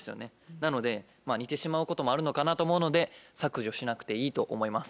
なので似てしまうこともあるのかなと思うので削除しなくていいと思います。